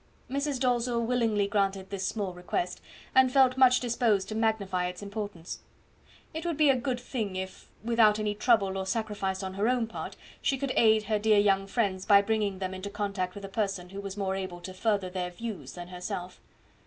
Mrs. Dalzell willingly granted this small request, and felt much disposed to magnify its importance. It would be a good thing if, without any trouble or sacrifice on her own part, she could aid her dear young friends by bringing them into contact with a person who was more able to further their views than herself.